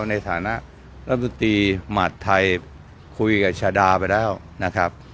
ในสถานะอรุณตีหมาศไทยคุยกับชาดาไปแล้วนะครับ